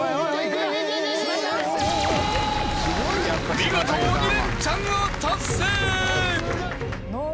［見事鬼レンチャンを達成］